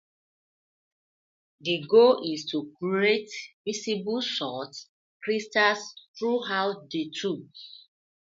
The goal is to create visible salt crystals throughout the tub.